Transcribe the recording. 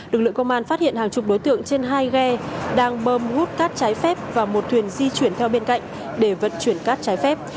lực lượng công an phát hiện hàng chục đối tượng trên hai ghe đang bơm hút cát trái phép và một thuyền di chuyển theo bên cạnh để vận chuyển cát trái phép